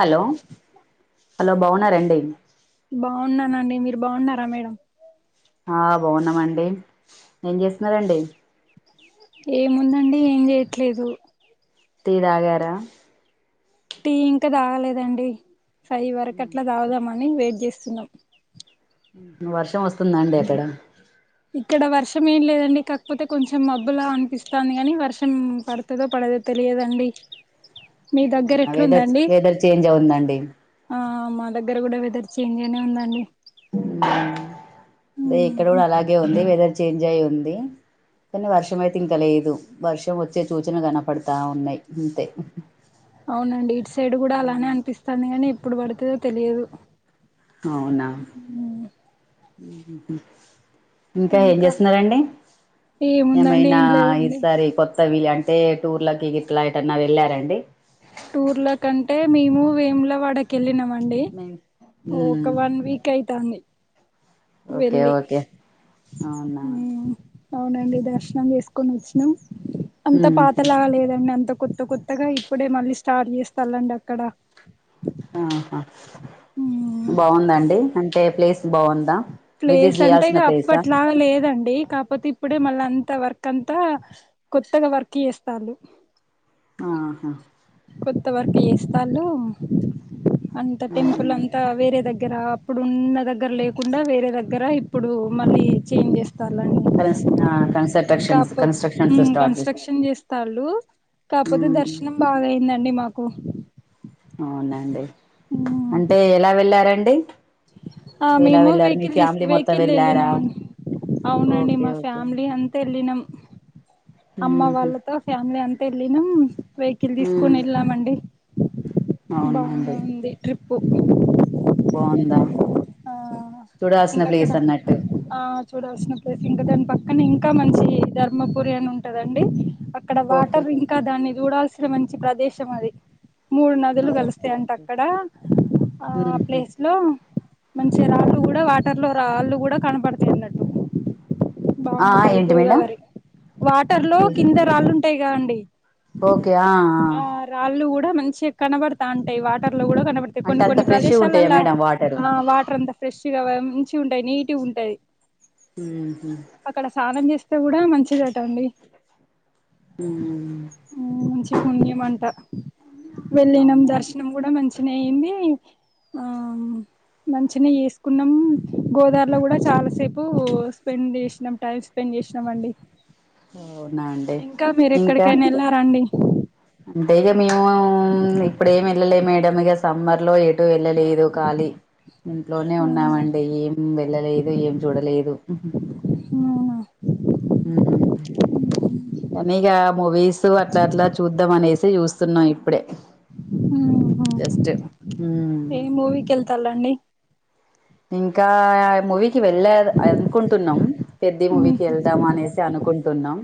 Hello hello బావున్నారండి బావున్నానండి మీరు బావున్నారా మేడం ఆ బావున్నామండి ఏం చేస్తున్నరండి ఏం ఉందండి ఏం చేయట్లేదు టీ తాగారా టీ ఇంకా తాగలేదండి ఫైవ్ వరకి అట్లా తాగుదామని వెయిట్ చేస్తున్నాం ఊహూ వర్షం వస్తుందా అండి డి అక్కడ ఇక్కడ వర్షం ఏం లేదండి కాకపోతే కొంచెం మబ్బులా అనిపిస్తాంది కానీ వర్షం పడు తాదో పడదో తెలియదండి మీ దగ్గర అవునా వెదర్ ఎట్లుందండి వెదర్ చేంజా అవుందండి ఆ మా దగ్గర కూడా వెదర్ చేంజేనే ఉందండి దే ఇక్కడ కూడా అలాగే ఉంది వెదర్ చేంజ్ అయి ఉంది కానీ వర్షం అయితే ఇంక లేదు వర్షం వచ్చే సూచన కనపడతా ఉన్నాయి గింతే అవునండి ఇటు సైడు కూడా అలానే అనిపిస్తాంది కానీ ఎప్పుడు పడుతదో తెలియదు అవునా ఊ హూ హూ ఇంకా ఏం చేస్తున్నరండి ఏముందండి ఏమైనా ఏం లేదండి ఇరుసారి కొత్ త్తవి అంటే టూర్లకి గిట్లా ఏటన్నా వెళ్ళారా అండి టూర్ల కంటే మేము వేములా వాడకి వెళ్ళినామండి ఒక మ్మ్ వన్ వీ క్కైతాంది ఓకే వెళ్ళి ఓకే అవునా ఊ అవునండి దర్శనం చేసుకుని వచ్చినాం అంత మ్మ్ పాతలాగా లేదండి అంతా కొత్త కొ త్తగా ఇప్పుడే మళ్ళీ స్టార్ట్ చేస్తాల్లండి అక్కడ ఆహా మ్మ్ బావుందండి అంటే ప్లేస్ బావున్ ప్లేస్ అంటే ఇగ అప్పట్లా లేదండి కాపోతే ఇప్పుడే మళ్ళ అంత వర్క్ అంతా కొత్తగా వర్క్ చేస్తాంది ఆహా కొత్త వర్కులు చేస్తాండు అంతా టెంపుల్ మ్మ్. అంతా వేరే దగ్ గ్గర అప్పుడు ఉన్న దగ్గర లేకుండా వేరే దగ్గర ఇప్పుడు మళ్ళీ చేంజ్ చేస్ తాలన్ కన్స్ ఆ కన్స్ట్రక్షన్స్ కాపో కన్స్ట్రక్షన్స్ ఉమ్ స్టార్ట్ చేసి కన్స్ట్రక్షన్ చేస్తాళ్ళు కాపోతే మ్మ్. దర్శనం బాగాయ్యిందండి మాకు అవునండి అంటే ఎలా వెళ్లారండి ఆ మేము వెహికల్ తీసుకు వెహికల్ లో వెళ్ళారా వెళ్ళినామం అవునండి ఓకే మా ఓకే ఫ్యామిలీ అంతా ఎళ్ళినం అమ్మ ఉహు వాళ్ళతో ఫ్యామిలీ అంతా ఎళ్ళినం వెహికల్ తీసుకొని వెళ్ళామండి బానే అవునండి ఉంది ట్రిప్పు బావునిందా ఆ చూడాల్సిన ఇంకా అక్కడ ప్లేస్ అన్నట్టు ఆ చూడాల్సిన ప్లేస్ ఇంకా దాని పక్కనే ఇంకా మంచి ధర్మపురి అని ఉంటదండి అక్కడ ఓకే వాటర్ ఇంకా దాన్ని జూడాల్సిన మంచి ప్రదేశం అది మూడు నదులు ఓకే కలుస్తయంట అక్కడా ఆ ఉహు ప్లేస్ లో మంచిగ రాళ్ళు గూడా వాటర్ లో రాళ్ళు గూడా కనపడతయిన్నట్టు ఆ బాగుంటది ఏంటి మేడం గోదావరి వాటర్ లో ఓకే కింద రాళ్ళుంటయి గ అండి ఓకే ఆ ఆ రాళ్ళు గూడా మంచిగా కనబడతాంటాయి వాటర్ లో గూడా కనబడతాయి అంటే కొన్ని అంత కొన్ని ఫ్రెష్గా ఉంటాయా ప్రదేశాలల్లా మేడం వాటరు ఆ వాటర్ అంత ఫ్రెష్ గా ముంచిగుంటాయి నీటుగుంటది ఊహు అక్కడ సానం జేస్తే గూడా మంచిదట అండి మ్మ్ మంచి పుణ్యం అంట వెళ్ళినం అవునా అండి, దర్శనం గుడా మంచినే అయింది ఆ మంచినే చేసుకున్నమ్ గోదారిలో గుడా చాలాసేపు స్పెండ్ చేసినం టైమ్ స్పెండ్ చేసినామండి అవునా అండి ఇంకా వెళ్ళారాండి అంటే ఇగ మేము ఇప్పుడే మెళ్ళలే మేడం ఇగ సమ్మర్ లో వెళ్ళలేదు కాలీ ఇంట్లోనే అవునా ఉన్నామండి ఏం వెళ్ళలేదు ఏం చూడలేదు అవునా హ్మ్ కానీ ఇగ మూవీస్ అట్లా అట్లా చూద్దాం అనేసి చూస్తున్నాం ఇప్పుడే జస్ట్ మ్మ్ ఏ మూవీ కెళ్తాలండి ఇంకా మువీ కి వెళ్ళాద్ అనుకుంటున్నం పెద్ది మూవీకి వెళ్దాం అనేసి అనుకుంటున్నాం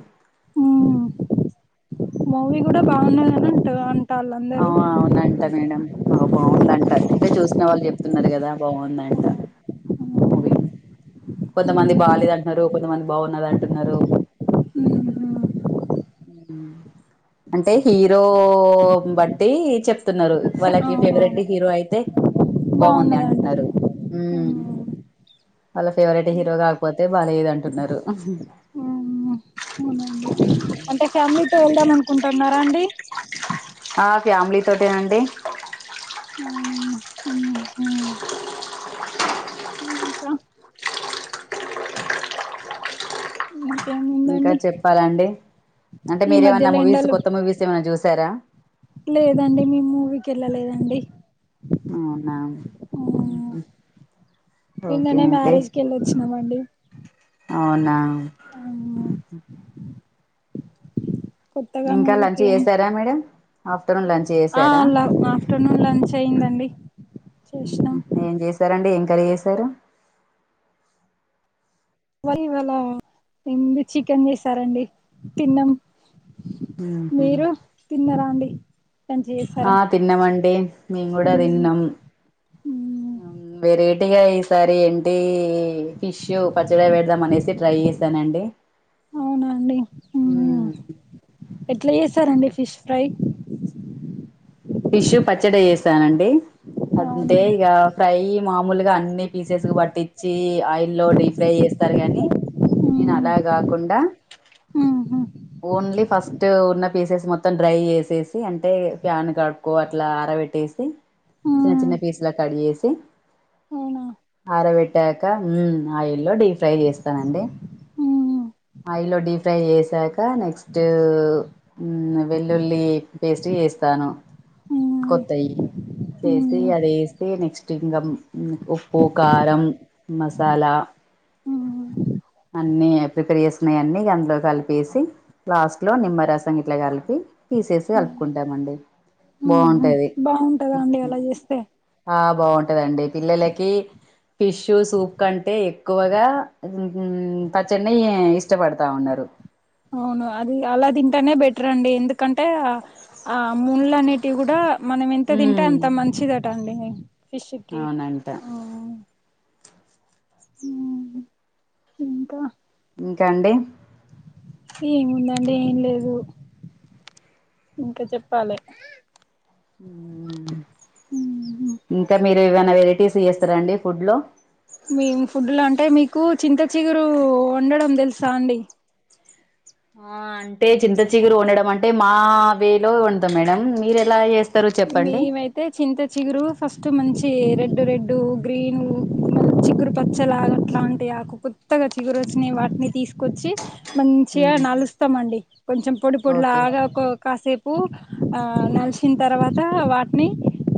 మూవీ గుడా బాగున్నదనుంటది అంటాళ్ళు ఆ అందరూ అవునంట మేడం నాకు బాగుందంట ఇంకా చూసిన వాళ్ళు చెప్తున్నరు గదా బాగుందంట మూవీ కొంతమంది బాలేదంట్నారు కొంతమంది బాగున్నది అంటున్నారు ఉహు హ్మ్ అంటే హీరో బట్టి చెప్తున్నారు వాళ్ళకి ఫేవరెట్ అవునవును హీరో అయితే బాగుంది బాగున్నదంటరు అంటున్నారు హ్మ్ వాళ్ళ ఫేవరెట్ హీరో గాకపోతే బాలేదంటున్నారు అవునండి అంటే ఫ్యామిలీతో వెళ్దాం అనుకుంటున్నారా అండి ఆ ఫ్యామిలీ తోటేనండి ఇంకా ఉ ఇంకా చెప్పాలండి అంటే ఈ మీరేమన్నా మధ్యలో మూవీస్ ఎండలు కొత్త మూవీస్ ఏమన్నా జూసారా లేదండి మీం మూవీ కెళ్ళలేదండి అవునా ఊహు నిన్ననే మ్యారేజ్ కెళ్ళొచ్చినమండి అవునా ఊహు కొత్తగా ఇంకా లంచ్ మూవీకి ఏం చేసారా మేడం ఆఫ్టర్నూన్ లంచ్ ఆ చేసారా ల ఆఫ్టర్నూన్ లంచ్ అయ్యిందండి చేషినం ఏం చేశారండి ఏం కర్రీ చేశారు ఇవాళి ఇవ్వాళ ఇన్ చికెన్ చేసారండి తిన్నం మీరు తిన్నారా అండి మంచిగా చేసారా ఆ తిన్నామండి మేము కూడా తిన్నాం మ్మ్ వెరైటీగా ఈసారి ఏంటీ ఫిష్ పచ్చడి పెడదాం అనేసి ట్రై చేసానండి అవునాండి ఉ ఎట్లా చేసారండి ఫిష్ ఫ్రై ఫిష్ పచ్చడి చేసానండి అంతే అవునా ఇగ ఫ్రై మాములుగా అన్ని పీసెస్ పట్టిచ్చి ఆయిల్ లో డీ ఫ్రై చేస్తారు గాని నేను మ్మ్ అలా కాకుండా మ్మ్ ఓన్లీ ఫస్ట్ ఉన్న పీసెస్ మొత్తం డ్రై చేసేసి అంటే ప్యాన్ కడ ఎక్కువ అట్లా అరబెట్టేసి చిన్న మ్మ్ చిన్న పీసు లా కట్ చేేసి అవునా ఆరబెట్టాక ఉ ఆయిల్ లో డీ ఫ్రై చేస్తానండి మ్మ్ ఆయిల్ లో డీ ఫ్రై చేసాక నెక్స్ట్ మ్మ్ వెల్లుల్లి పేస్ట్ ఏస్తాను మ్మ్ కొత్తయి చేసి మ్మ్ అది ఏస్తే నెక్స్ట్ ఇంగ ఉప్పు, కారం మసాలా మ్మ్ అన్ని ప్రిపేర్ చేసున్నాయి అన్నీ అందులో కలిపేసి లాస్ట్ లో నిమ్మరసం ఇట్లా కలిపి తీసేసి కలుపుకుంటామండి బాగుం మ్మ్ టది బాగుంటదా అండి అలా చేస్తే ఆ బాగుంటదండి పిల్లలకి ఫిషు సూప్ కంటే ఎక్కువగా ఉ పచ్చడినే ఇష్టపడతా ఉన్నారు అవును అది అలా తింటేనే బెటర్ అండి ఎందుకంటే ఆ ముళ్ళు అనేటివి కూడా మనం ఎంత తింటే ఉమ్ అంత మంచిదట అండి ఫిష్ కి అవునంట ఆ ఉ ఇంకా ఇంకా అండి ఏముందండి ఏం లేదు ఇంకా చెప్పాలి మ్మ్ ఉహు ఇంకా మీరు ఏవైనా వెరైటీస్ చేస్తారండి ఫుడ్ లో మేము ఫుడ్లో అంటే మీకు చింత చిగురు వండడం తెలుసా అండి ఆ అంటే చింత చిగురు వండడం అంటే మా వేలో వండతాం మేడం మీరే మీ మయి తే చింత చిగురు ఫస్ట్ మంచి రెడ్డు రెడ్డు గ్రీన్ చిగురు పచ్చలా అట్లా టే ఆకు కొత్తగా చిగురొచ్చినవి వాటిని తీసుకొచ్చి మంచిగా మ్మ్ నలుస్తామండి కొంచెం పొడి ఓకే పొడిలాగా కొ కాసేపు ఉప్పు ఆ నలిచిన తర్వాత వాటిని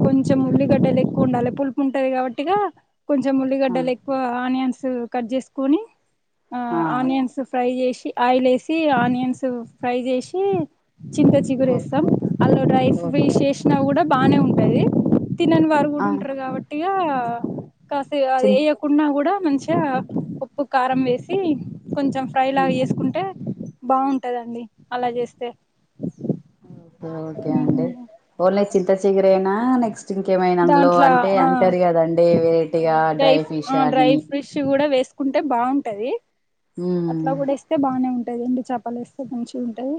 కొంచెం ఉమ్ ఉల్లిగడ్డలు ఎక్కువ ఉండాలి పులుపు ఉంటది కాబట్టిగా కొంచెం ఆ ఉల్లిగడ్డలు ఎక్కువ ఆనియన్స్ కట్ చేసుకుని ఆ ఆనియన్స్ ఫ్రై చేసి ఆయిల్ ఏసి ఆనియన్స్ ఫ్రై చేసి చింత చిగురు ఓ ఏస్తాం అల్లుడైస్ ఓకే చేసినా కూడా బానే ఉంటది తినని వారు కూడా ఆ ఉంటరు కాబట్టిగా కాసే అది చిన్ వేయకున్నా కూడా మంచిగా ఉప్పు, కారం వేసి కొంచెం ఫ్రై ఉమ్ లాగా చేసుకుంటే బాగుంటదండి అలా చేస్తే ఓకే ఓకే అండి ఓన్లీ చింత చిగరేనా నెక్స్ ఇంకేమైనా అందులో దాంట్లో అంటే ఆ అంటరు గదండి వేటిగా డ్రై ఫిష్ అని షి గూడా వేసుకుంటే బాగుంటది ఉమ్ అట్లా గూడా తే బానే ఉంటాది ఎండు చాపలేస్తే మంచి ఉంటది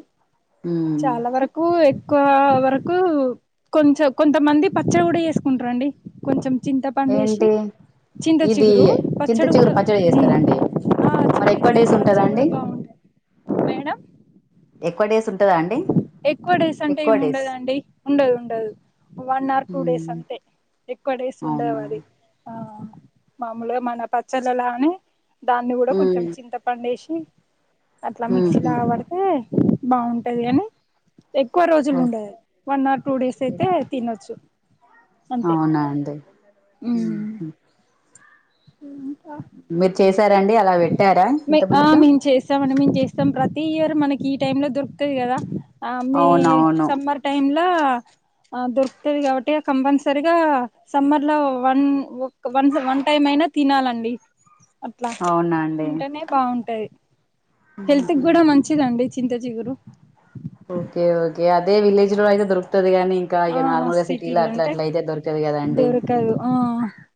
ఉమ్ వరకు కొంచ కొంతమంది పచ్చడి గుడా చేసుకుంట్రండి కొంచెం చింత పండేషి ఏంటి చింత ఇది చిగురు చింత పచ్చడి చిగురు గూడా పచ్చడి మ్మ్ చేస్తారా అండి ఆ మరి చింత ఎక్కువ డేస్ చిగురు ఉంటదా పచ్చడి అండి గూడా బాగుం మేడం ఎక్కువ డేస్ ఉంటదా అండి ఎక్కువ డేస్ అంటే ఎక్కువ డేస్ ఏముండదండి ఉండదు ఉండదు వన్ ఆర్ టూ డేస్ ఉమ్ అంతే ఎక్కువ డేస్ ఉండవ్ అవునా అవి మాముల్గా మన పచ్చళ్ళలానే దాన్ని గుడా కొంచెం ఉమ్ చింతపండేషి అట్లా మిక్సీ ఉహు లాగా బడు బావుంటది అని ఎక్కువ రోజులు ఉండే okay one or two days అయితే తినొచ్చు అంతే నాంద్ ఊహు ఇంకా మీర్ చేసారండి అలా పెట్టారా మే ఇంత ఆ ముందుకి మేము మేము చేస్తం ప్రతి ఇయరు మనకి ఈ టైం లో దొరుకుతది గదా ఆ మే అవునవును సమ్మర్ టైమ్ లో ఆ దొరుకుతుది కాబట్టి అ కంపన్సరిగా సమ్మర్ లో వన్ ఒక్ వన్స్ వన్ టైమ్ అయినా తినాలండి అట్లా అవునాన్ తింటనే బావుంటది హెల్త్ ఊహు గ్గుడా మంచిదండి చింత చిగురు ఓకే ఓకే అదే విలేజ్ లో అయితే దొరుకుతుది గానీ ఇగ ఆ నార్మల్గా సిటీలో అట్లా సిటీలుంటే అట్లా అయితే దొరకదు గద అండి దొరకదు ఆ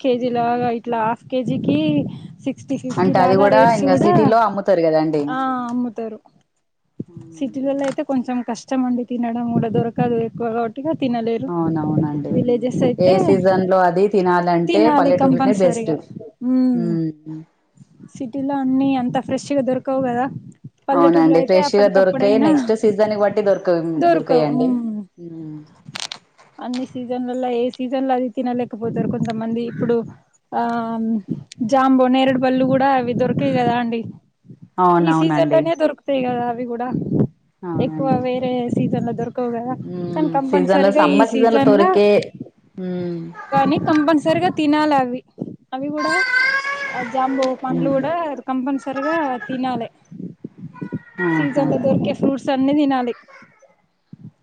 కేజీ లాగా ఇట్లా హాఫ్ కేజీ కి సిక్ సిక్స్టీ ఫిఫ్టీ అంటే అది లాగా కూడా రేట్స్ ఇంకా గూడా సిటీలో అమ్ముతారు కదండి ఆ అమ్ముతరు సిటీలల్లో అయితే కొంచెం కష్టం అండి తినడం గూడ దొరకదు ఎక్కువ తినలేరు అవునవునండి విలేజెస్ ఏ అయితే సీజన్ లో అది తినాలంటే తినాలి పల్లెటూళ్లనే బెస్ట్ కంపల్సరీగా ఉమ్ మ్మ్ సిటీలో అన్నీ అంత ఫ్రెష్ గా దొరకవు గదా అవునండి ఫ్రెష్ గా దొరకయి నెక్స్ట్ సీజన్ బట్టి దొరక దొరకవు దొరికయండి ఉమ్ అన్ని సీజన్లలో ఏ సీజన్ లో అది తినలేకపోతారు కొంతమంది ఇప్పుడు ఆ జాంబో నేరడు బళ్ళు కూడా అవి దొరకయి గదా అండి ఈ సీజన్ అవునవునండి లోనే దొరుకు గదా అవి గూడా ఎక్కువ అవునండి వేరే సీజన్ లో దొరుకు కన్ ఉమ్ సీజన్ లో కంపన్సరిగా ఈ సమ్మర్ సీజన్ లో సీజన్ల దొరికే ఉమ్ కానీ కంపన్సరిగా తినాలవి అవి గూడా అ జాంబో పండ్లు ఉమ్ గూడా కంపన్సరిగా తినాలె ఆహా సీజన్ లో దొరికే ఫ్రూట్స్ సన్నీ దినాలి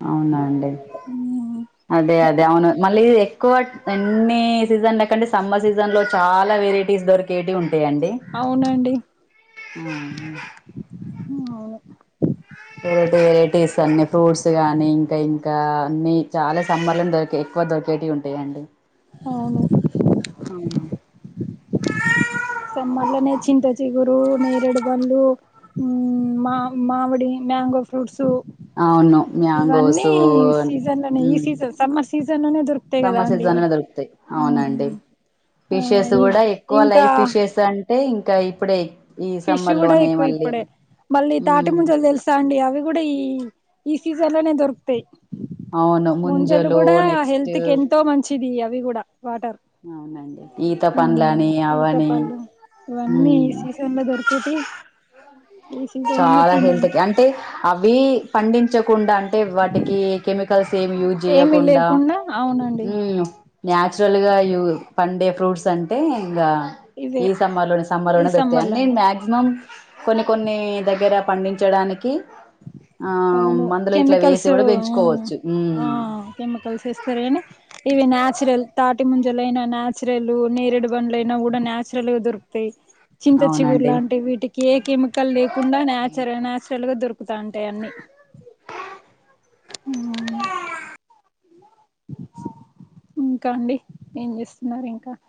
అవునా అండి అదే అదే అవును మళ్ళీ ఎక్కువ ఎన్ని సీజన్ లకంటే సమ్మర్ సీజన్ లో చాలా వెరైటీస్ దొర్ కేడీ ఉంటయండి అవునండి అవును వేటీ వేటీస్ అన్ని ఫ్రూట్స్ గానీ ఇంక ఇంకా అన్ని చాలా సమ్మర్ లోనె దొరికే దొర్కేటి ఉంటయండి ఔను ఔనా సమ్మర్లనే చింత చిగురు నేరేడు బంలు ఉమ్ మా మామిడి మ్యాంగో ఫ్రూట్సు అవును మ్యాంగోసు సీజన్ లోనే ఈ మ్మ్ సీజన్ సమ్మర్ సీజన్ లోనే దొరుకుతాయి కదా సమ్మ అండి సీజన్లోనే దొరుకుతయి అవునండి ఆ ఫిషెస్ గూడా ఎక్కువ లై ఇంకా ఫిషెస్ అంటే ఇంక ఇప్పుడే ఈ ఫిష్ సమ్మర్ గూడా లోనే ఎక్కువ మళ్ళీ ఇప్పుడే మళ్ళీ తాటి ఉమ్ ముంజలు తెలుస్ అవి గూడా ఈ ఈ సీజన్ లోనే దొరుకుతయి అవును మంజలు ముంజలు గూడా నెక్స్ట్ హెల్త్ కెంతో మంచిది అవి గూడా వాటర్ అవునండి ఈత పండ్లని అవని దొరకేటి చాలా హెల్త్ క్ అంటే అవి పండించకుండా అంటే వాటికి కెమి కల్సేమి యూజ్ ఏమి చేయకుండా లేకుండా అవునండి న్యాచురల్గా యూ పండే ఫ్రూట్స్ అంటే ఇంగ ఇవే ఈ సమ్మర్లోనే ఈ సమ్మలోనే దొరుకుతాయి సమ్మర్ అన్నీ లోనే మ్యాక్సిమం కొన్ని కొన్ని దగ్గర పండించడానికి ఆ అవును మందులో ఇట్లా కెమికల్స్ వేసి గూడా పెంచుకోవచ్చు ఆ మ్మ్ కెమికల్స్ ఏస్తరేని ఇవి న్యాచురల్ తాటి ముంజలైనా నాచురలు నేరేడు బండ్లైనా గూడా న్యాచురల్ గా దొరుకుతయి చింత చిగురు అవునండి లాంటి వీటికి ఏ కెమికల్ లేకుండా నేచురే న్యాచురల్ గా దొరుక్ తాంటయన్ని ఆ ఇంకా అండి ఏం చేస్తున్నారు ఇంకా